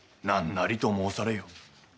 何なりと申されよ。